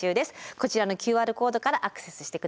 こちらのＱＲコードからアクセスして下さい。